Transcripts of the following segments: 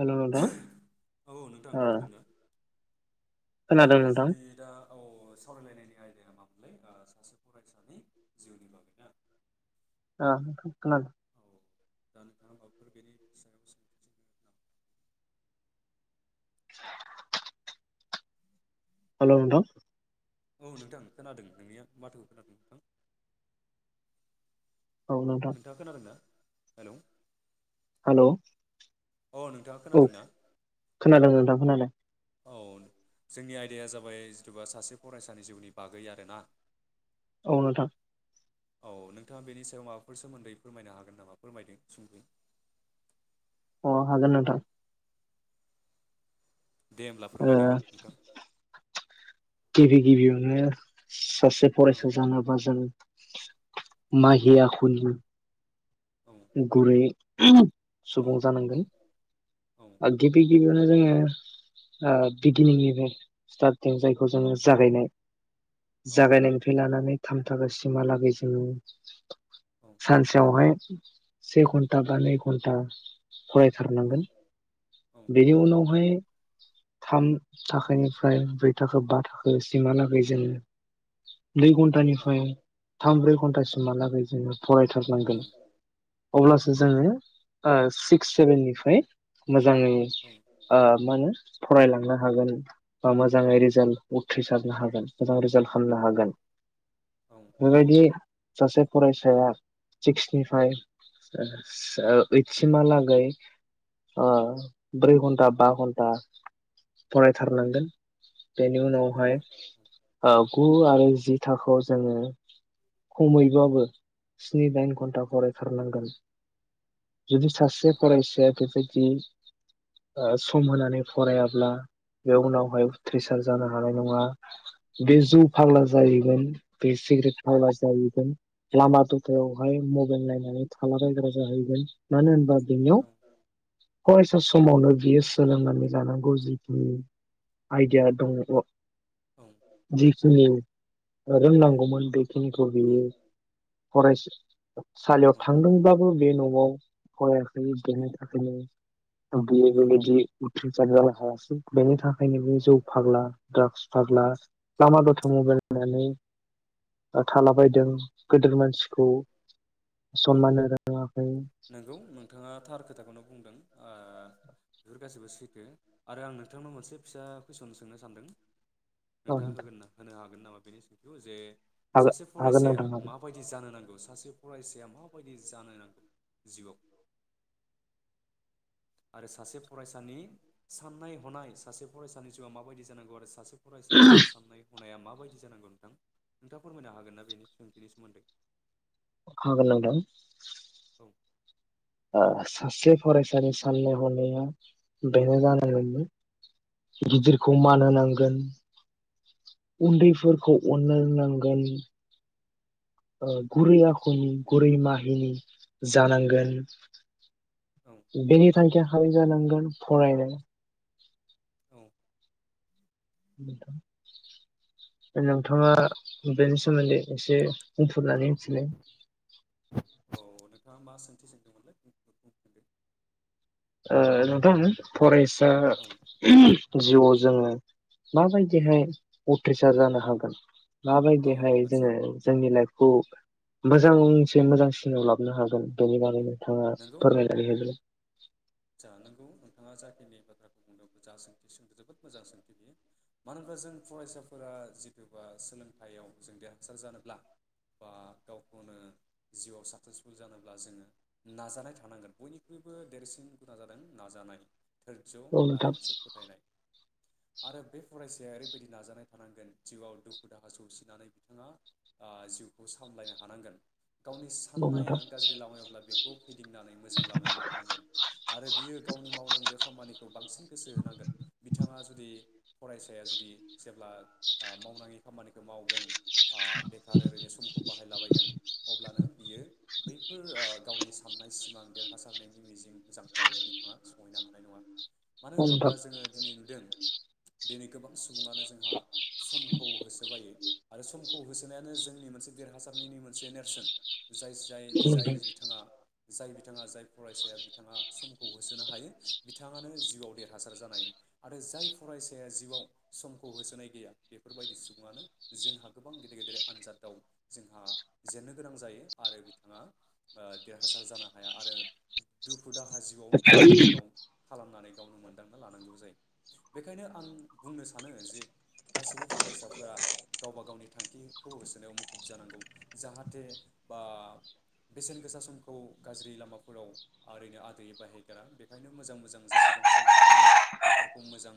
हेल' नोंथां औ नोंथां ओ खोनादों दा? आदसा खोनादों नोंथां जोंनि दा औ सावरायलायनायनि आयदाया मामोनलाय, ओ सासे फरायसानि जिउनि बागैना? ओ खो-खोनादो। दा नोंथाङा माबाफोर बेनि सायाव सोंथि सोंगोन नामा? [inaudible] हेल नोंथां। औ नोंथां खोनादों नोंनिया माथोखौ खोनादों नोंथां। औ नोंथां नोंथाङा खोनादों ना? हेलौ। हेलौ। औ नोंथाङा औ खोनादों ना खोनादों नोंथां खोनादोंं। औ जोंनि आयदाया जाबाय जेतुबा सासे फरायसानि जिउनि बागै आरोना। औ नोंथां। औ नोंथाङा बेनि सायाव माबाफोर सोमोन्दै फोरमायनो हागोन नामा? फोरमायदो सुंदयै। अह हागोन नोंथां। दे होमब्ला ओ फोरमायदो नोंथां। गिबि गिबियावनो सासे औ फरायसा जानोबा जों माहि आखुनि औ गुरै [unintelligible] औ सुबुं औ जानांगोन। औ आ गिबि गिबियाव नो जोङो ओ बिगिनिंनिफ्राय स्टार्टिं जायखौ जोङो जागायनाय औ जागायनायनिफाय लानानै थाम थाखोसिमहालागै जोङो सानसेआवहाय से खनथा बा नै घन्टा फरायथारनांगोन। औ औ औ बेनि उनावहाइ थाम थाखोनिफ्राय ब्रै थाखो बा थाखो सिमहालागै जोङो नै घन्टानि फाय थाम ब्रै घन्टासिम हालागै जोङो फराय थारनांगोन अब्लासो जोङो ओ सिक्स सेभेननिफ्राय मो जाङै ओ मानो फरायलांनो हागोन बा मोजाङै रिजाल्ट उथ्रिसारनो हागोन एबा रिजाल्ट खालामनो हागोन। बेबायदि सासे फरायसाया सिक्स निफ्राय ओ-ओइट सिमहालागै ओ ब्रै घन्टा बा घन्टा फरायथारनांगोन। बेनि उनावहाय ओ गु आरो जि थाखोआव जोङो खमैबाबो स्नि दाइन घन्टा फरायथारनांगोन जुदि सासे फरायसाया बेबाइदि ओ सम होनानै फरायाब्ला बे उनावहाय उथ्रिसार जानो हानाय नङा बे जौ फाग्ला जाहैगोन बे सिगारेट फाग्ला जाहैगोन लामा दथायावहाय मबाइल नायनानै थाला बायग्रा जाहैगोन मानो होनबा बिनियाव फरायसा समावनो बियो सोलोंनानै लानांगौ जितु आइदिया दङ जि उम ओ रोंनांगौमोन बेखिनिखौ बियो फरायस सालियाव थांदोंबाबो बे नआव फरायाखै बेनो बियो बेबायदि उथ्रिसार जानो हायासै बेनि थाखायनो बियो जौ फाग्ला द्राग्स फाग्ला लामा दथायाव मबाइल नायनानै थालाबायदों गोदोर मानसि सिखौ औ सनमान होनो रोङाखै नोंगौ नोंथाङा थार खोथाखौनो बुंदों ओ बेफोर गासैबो सैथो आरो आं नोंथांनाव मोनसे फिसा कुइसन सोंनो सानदों नोंथाङा होगोन्ना होनो हागोन हागोन नामा बेनि सोंथिखौ जे सासे हागोन फरायसाया नोंथां हागोन माबायदि जानो सासे फरायसाया माबायदि जानो नांगौ जिउआव? आरो सासे फरायसानि साननाय हनाय सासे फरायसानि जिउआ माबायदि जानांगौ आरो सासे फरायसानि साननायखौ मावनाया माबायदि जानांगौ नोंथां नोंथाङा फोरमायनो हागोन ना बेनि सोंथिनि सोमोन्दै हागोन नोंथां औ ओ सासे फरायसानि साननाय हनाया बेनो जानांगोनदि गिदिरखौ मान होनांगोन उन्दैफोरखौ अननो रोंनांगोन ओ गुरै आखुनि गुरै माहिनि जानांगोन औ बिनि [unintelligible] जानांगोन फरायनाय औ [inaudible] नोंथाङा औ बेनि सोमोन्दै एसे बुंफोरनानै [unintelligible] औ नोंथाङा मा सोंथि सोंदोंमोनलाय ओ नोंथां फरेस्ट औ दा जिउआव जोङो उम माबायदिहाय उथ्रिसार जानो औ हागोन औ माबायदिहाय आदसा जोङो जोंनि लाइफखौ उम मोजांसे मोजांसिनाव लाबनो हागोन बेनि बागै औ नोंथाङा फोरमायनानै होदो जानांगौ नोंथाङा। जाखिनि बाथ्राखौ बुंदों जा सोंथि सोंदों जोबोद मोजां सोंथि बियो मानो होनबा जों फरायसाफोरा जिथुबा सोलोंथायाइयाव जों देरहासार जानोब्ला बा ओ गावखौनो जिउआव साक्सेसफुल जानोब्ला जोङो नाजानाय थानांगोन बयनिख्रुइबो देरसिन गुना जादों नाजानाय। धोरज्य औ आरो नोंथां मोनसे फोथायनाय आरो बे फरायसा जे ओरैबायदि नाजानाय थानांगोन जिउआव दुखु दाहा सौसिनानै बिथाङा ओ जिउखौ सामलायनो हानांगोन गावनि औ साननाया नोंथां गाज्रि लामायावब्ला बेखौ फिदिंनानै मोजां लामायाव लाबोनांगोन आरो बियो गावनि मावनांगौ खामानिखौ बांसिन गोसो होनांगोन बिथां बिथाङा जुदि फरायसाया जुदि जेब्ला ओ मावनाङि खामानिखौ मावगोन। ओ बेखार ओरैनो समखौ बाहाय बाहायलाबायगोन अब्लानो बियो बैफोर ओ गावनि सान सिमां देरहासारनायनि मिजिं जांख्लायाव बिथाङा सहैनो हानाय नङा मानो औ होनोब्ला जोङो दिनै नुदों दिनै गोबां सुबुङा जोंहा समखौ होसोलायो आरो होसोनायानो जोंनि मोनसे देरहासारनि मोनसे नेरसोन जाय जाय जाय नोंथां बिथाङा जाय बि बिथाङा जाय फरायसाया बिथाङा समखौ होसोनो हायो बिथाङानो जिउआव देरहासार जानाय आरो जाय फरायसाया जिउआव समखौ होसोनाय गैया बेफोरबायदि सुबुङानो जोंहा गोबां गेदेर गेदेर आनजादाव जोंहा जेननो गोनां जायो आरो बिथाङा देरहासार जानो हाया आरो दुखु दुखु दाहा जिउआव गावनो गाव खालामनानै गावनो मोनदांना लानांगौ जायो बेखायनो आं बुंनो सानो जे गासैबो फरायसाफोरा गावबा गावनि थांखिखौ होसोनायाव मुखुब जानांगौ जाहाथे बा बेसेन गोसा समखौ गाज्रि लामाफोराव ओरैनो आदैै बाहायग्राा बेखायनो मोजां मोजां जेसेबां सम मोनो बेफोरखौ मोजां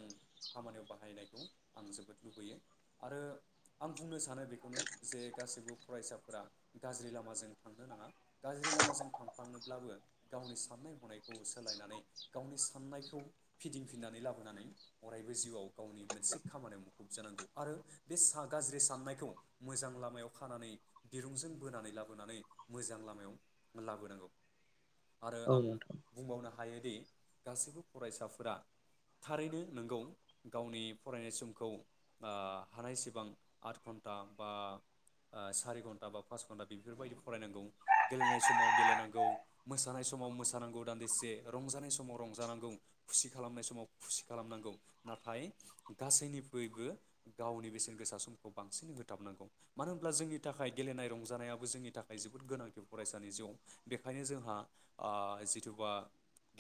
खामानियाव बाहायनायखौ आं जोबोद लुबैयो आरो आं बुंनो सानो बेखौनो जे गासैबो फरायसाफोरा गाज्रि लामाजों थांनो नाङा। गाज्रि लामाजों थांफांनोब्लाबो गावनि साननाय हनायखौ सोलायनानै गावनि साननायखौ फिदिंफिननानै लाबोनानै अरायबो जिउआव गावनि मोनसे खामानियाव मुखुब जानांगौ आरो बे गाज्रि साननायखौ मोजां लामायाव खानानै दिरुंजों बोनानै लाबोनानै मोजां लाम [unintelligible] लाबोनांगौ आरो औ आं नोंथां बुंबावनो हा हायोदि गासैबो फरायसाफोरा थारैनो नोंगौ गावनि फरायनाय समखौ ओ हानाय सिबां आद घन्टा बा ओ सारि घन्टा बा पास घन्टा बेफोरबायदि फरायनांगौ गेलेनाय समाव गेलेनांगौ मोसानाय समाव मोसानांगौ दान्दिसे रंजानाय समाव रंजानांगौ खुसि खालामनाय समाव खुसि खालामनांगौ नाथाय गासैनिफ्रैबो गावनि बेसेन गोसा समखौ बांसिन होथाबनांगौ मानो होनब्ला जोंनि थाखाय गेलेनाय रंजानायाबो जोंनि थाखाय जोबोद गोनांथि फरायसानि जिउ बेखायनो जोंहा ओ जिथुबा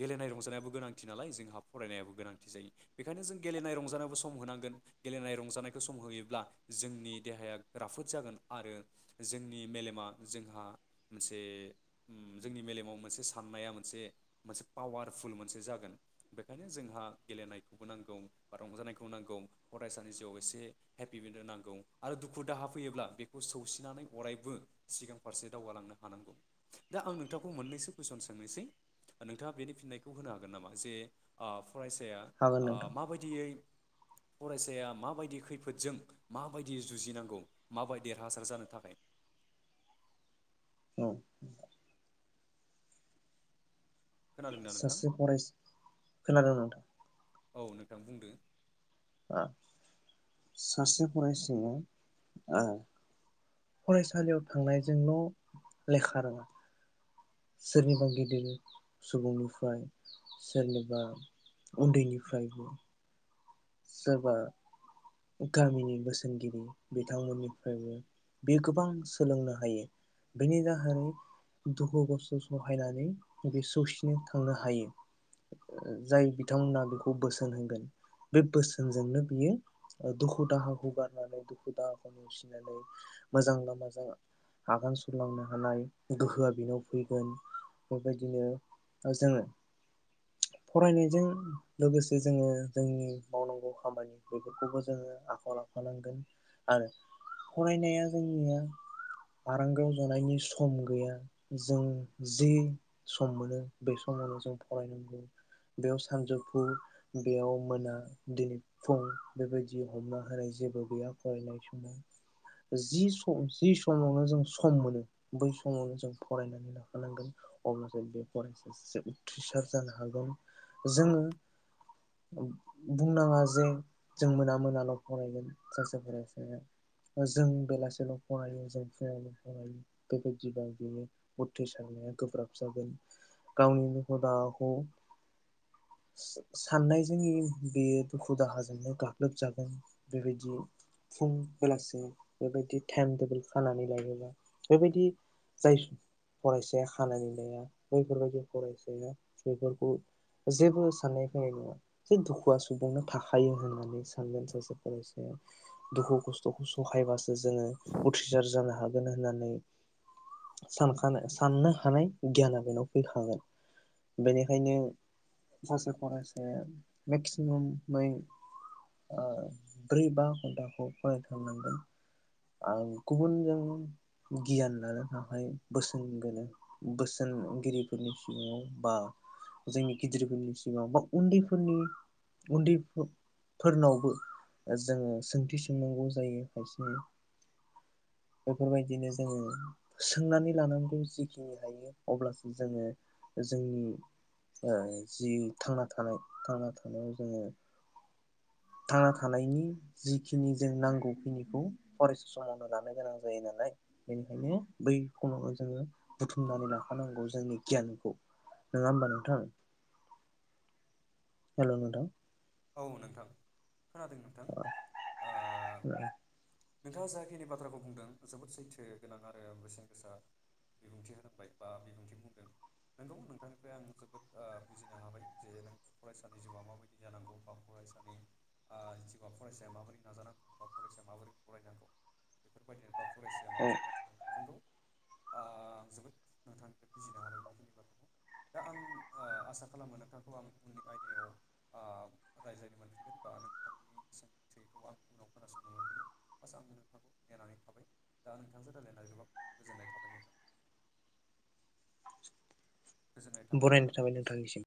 गेलेनाय रंजानायाबो गोनांथि नालाय जोंहा फरायनायाबो गोनांथि जायो बेखायनो जों गेलेनाय रंजानायाबो सम होनांगोन गेलेनाय रंजानायखौ सम होयोब्ला जोंनि देहाया राफोद जागोन आरो जोंनि मेलेमा जोंहा मोनसे उम जोंनि मेलेमाव मोनसे साननाया मोनसे मोनसे पावारफुल मोनसे जागोन बेखायनो जोंहा गेलेनायखौबो नांगौ बा रंजानायखौबो नांगौ फरायसानि जिउआव एसे हेपि [unintelligible] नांगौ आरो दुखु दाहा फैयोब्ला बेखौ सौसिनानै अरायबो सिगां फारसे दावगालांनो हानांगौ दा आं नोंथांखौ मोननैसो कुइसन सोंनोसै नोंथाङा बेनि फिननायखौ होनो हागोन नामा जे ओ फरायसाया हागोन ओ नोंथां माबायदियै फरायसाया माबायदि खैफोदजों माबायदियै जुजिनांगौ माबाय देरहासार जानो थाखाय औ खोनादोंना नोंथां सासे फरायसा खोनादों नोंथां औ नोंथां बुंदो ओ सासे फरायसाया ओ फरायसालियाव थांनायजोंल लेखा रोङा नोंगौ सोरनिबा गिदिर सुबुंनिफ्राय सोरनिबा उन्दैनिफ्रायबो सोरबा गामिनि बोसोनगिरि बिथांमोननिफ्रायबो बे गोबां सोलोंनो हायो बेनि जाहै दुखु खस्थ सहायनानै बे सौसिनो थांनो हायो जाय बिथांमोना बेखौ बोसोन होगोन। बे बोसोनजोंनो बियो ओ दुखु दाहाखौ गारनानै दुखु दाहाखौ नेवसिनानै मोजां लामाजों आगान सुरलांनो हानाय गोहोआ बेनाव फैगोन बेबायदिनो जोङो फरायनायजों लोगोसे जोङो जोंनि मावनांगौ खामानि बेफोरखौबो जोङो आखायाव लांफानांगोन आरो फरायनाया जोंनिया आरांगाव जानायनि सम गैया जों जि सम मोनो बे समानो जों फरायनांगौ बेयाव सानजौफु बेयाव मोना दिनै फुं बेबायदि हमना होनाय जेबो गैया फरायनाय समाव जि सम जि समावनो जों सम मोनो बै समावनो जों फरायनानै लाफानांगोन अब्लासो बे फरायसाया [unintelligible] उथ्रिसार जानो हागोन जोङो बुंनाङा जे जों मोना मोनाल फरायगोन सासे फरायसाया जों बेलासिआवल फरायो जों फुङावल फरायो बेबायदिबा बियो उथ्रिसारनाया गोब्राब जागोन गावनि मखदावाखौ सा साननाय जोंनि बेयो दुखु दाहाजोंनो गाग्लोबजागोन बेबायदि फुं बेलासि बेबायदि टाइम टेबोल खानानै लायोबा बेबायदि जाय फरायसाया खानानै लाया बैफोरबायदि फरायसाया बेफोरखौ जेबो साननाय फैनाय नङा जे दुखु हवा सुबुंनो थाखायो होननानै सानदों सासे फरायसाया दुखु खस थखौ सहायबासो जोङो उथ्रिसार जानो हा गोन होननानै सानखानो साननो हानाय गियाना बेनाव फैखागोन बेनिखायनो सासे फरायसाया मेक्सिमामै ओ ब्रै बा घन्टाखौ फरायथारनांगोन आं गुबुनजों गियान लानो थाखाय बोसोन गोनो बोसोनगिरिफोरनि सिगाङाव बा जोंनि गिदिरफोरनि सिगाङाव बा उन्दैफोरनि उन्दै फो-फोरनावबो जोङो सोंथि सोंनांगौ जायो खायसे बेफोरबायदिनो जोङो सोंनानै लानांगौ जिखिनि हायो अब्लासो जोङो जोंनि ओ जि थांना थानाय थांना था नायाव जोङो थांना थानायनि जिखिनि जों नांगौखिनिखौ फरायसा समावनो लानो गोनां जायो नालाय बेनिखायनो बै खमावनो जोङो बुथुमनानै लाखानांगौ जोंनि गियानखौ नोङा होमबा नोंथां हेल नोंथां औ नोंथां खोनादों नोंथां ओ औ नोंथाङा जाखिनि बाथ्राखौ बुंदों जोबोद सैथो गोनां आरो बेसेन गोसा बिबुंथि होनांबाय बा बिबुंथि बुंदों नोंगौ नोंथांनिफ्राय आं जोबोद ओ बुजिनो हाबाय जेहेनो फरायसानि जिउआ माबायदि जानांगौ बा फरायसानि ओ जिबा फरायसाया माबोरै नाजानांगौ बा फरायसाया माबोरै फरायनांगौ बेफोरबायदिनो बा फरायसाया माबोरै गियान होनांगौ नोंगौ आ जोबोद नोंथांनिफ्राय बुजिनो हाबाय बेखिनि बाथ्राखौ दा आं ओ आसा खालामो नोथांखौ आं उननि आयदायाव ओ रायज्लायनो मोनफिनगोन बा नोंथांनि सोंथिखौ आं उनाव खोनासंनो मोनफैगोन बास आङो नोंथांखौ नेनानै थाबाय दा नोंथांजों रायज्लायनानै गोबां गोजोननाय थाबाय नोंथां। गोजोननाय थाबाय बरायनाय नोंथां नोंनिसिम नोंथांनिसिम